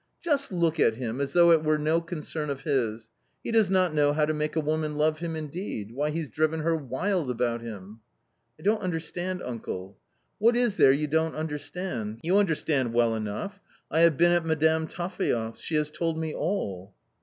" Just look at him, as though it were no concern of his ! He does not know how to make a woman love him indeed ! why, he's driven her wild about him !"" I don't understand, uncle "" What is there you don't understand ? you understand well enough ! I have been at Madame Taphaev's ; she has told me all."